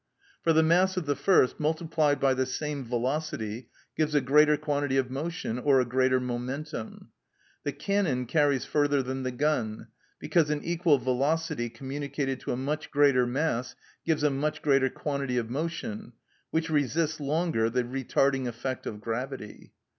For the mass of the first multiplied by the same velocity gives a greater quantity of motion, or a greater momentum. The cannon carries further than the gun, because an equal velocity communicated to a much greater mass gives a much greater quantity of motion, which resists longer the retarding effect of gravity.